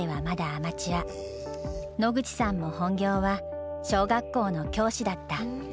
野口さんも本業は小学校の教師だった。